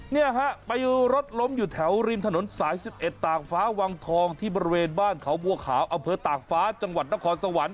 เนี่ยฮะไปรถล้มอยู่แถวริมถนนสาย๑๑ตากฟ้าวังทองที่บริเวณบ้านเขาบัวขาวอำเภอตากฟ้าจังหวัดนครสวรรค์